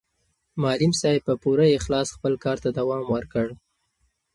معلم صاحب په پوره اخلاص خپل کار ته دوام ورکړ.